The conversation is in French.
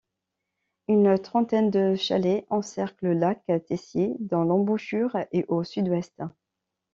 Une trentaine de chalets encercle le lac Tessier dont l'embouchure est au sud-ouest.